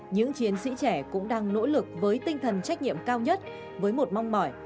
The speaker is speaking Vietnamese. những chiến sĩ trẻ cũng đang nỗ lực với tinh thần trách nhiệm cao nhất với một mong mỏi